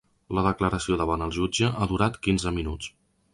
La declaració davant el jutge ha durat quinze minuts.